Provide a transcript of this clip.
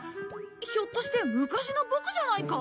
ひょっとして昔のボクじゃないか？